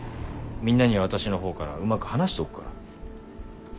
みんなには私の方からうまく話しておくから。